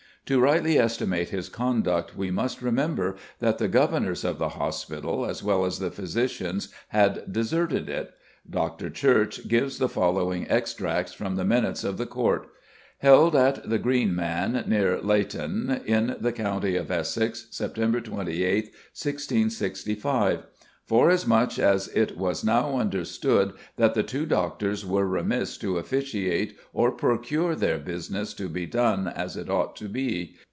To rightly estimate his conduct we must remember that the governors of the hospital, as well as the physicians had deserted it. Dr. Church gives the following extracts from the minutes of the Court: "Held at the 'Green Man,' near Laieton, in the county of Essex, Sept. 28th, 1665. Forasmuch as it was now understood that the two doctors were remiss to officiate or procure their business to be done as it ought to be.